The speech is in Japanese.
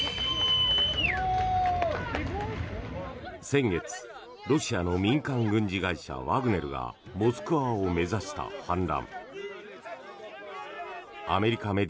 先月、ロシアの民間軍事会社ワグネルがモスクワを目指した反乱。